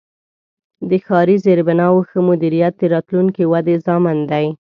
د ښاري زیربناوو ښه مدیریت د راتلونکې ودې ضامن دی.